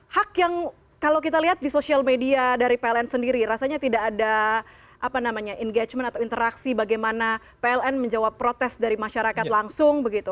hak yang kalau kita lihat di sosial media dari pln sendiri rasanya tidak ada engagement atau interaksi bagaimana pln menjawab protes dari masyarakat langsung begitu